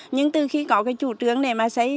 nhưng lúc đầu thì khai phá vườn thì rất là khó khăn